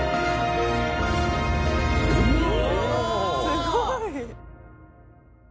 すごい！